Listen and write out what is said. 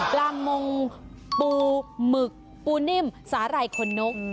ปลามงปูหมึกปูนิ่มสาหร่ายคนนก